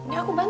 ya aku bantu